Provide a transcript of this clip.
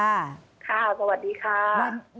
ค่ะสวัสดีค่ะ